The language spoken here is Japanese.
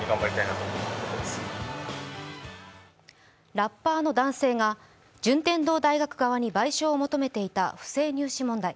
ラッパーの男性が順天堂大学側に賠償を求めていた不正入試問題。